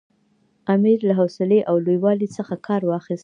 امیر له حوصلې او لوی والي څخه کار واخیست.